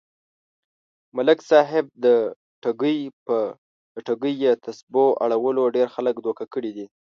ملک صاحب د ټگۍ يه تسبو اړولو ډېر خلک دوکه کړي دي.